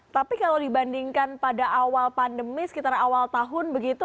tapi kalau dibandingkan pada awal pandemi sekitar awal tahun begitu